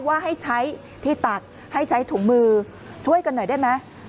ว่าให้ใช้ที่ตักให้ใช้ถุงมือช่วยกันหน่อยได้ไหม